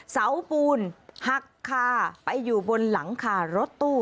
เสาปูนหักคาไปอยู่บนหลังคารถตู้